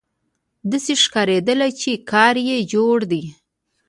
داسې ښکارېدله چې کار یې جوړ دی.